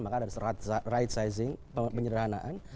maka ada right sizing penyederhanaan